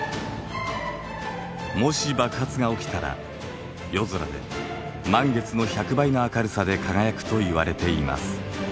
もし爆発が起きたら夜空で満月の１００倍の明るさで輝くといわれています。